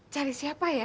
cari siapa ya